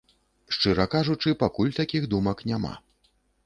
Шчыра кажучы, пакуль такіх думак няма.